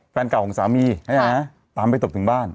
แฟนเก่าของสามีตามไปตบถึงบ้าน